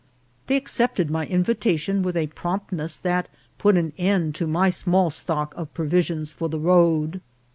They accepted my invitation with a promptness that put an end to my small stock of prpvisions for the road.